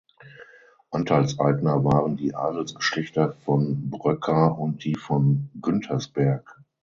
Anteilseigner waren die Adelsgeschlechter von Bröcker und die von Güntersberg.